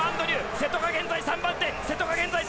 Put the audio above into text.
瀬戸は現在３番手。